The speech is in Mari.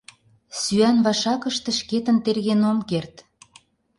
Сӱан вашакыште шкетын терген ом керт.